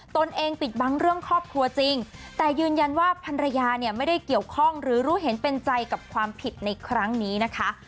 ตนเองปิดบังเรื่องครอบครัวจริงแต่ยืนยันว่าพันรยาเนี่ยไม่ได้เกี่ยวข้องหรือรู้เห็นเป็นใจกับความผิดในครั้งนี้นะคะ